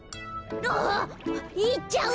あいっちゃう。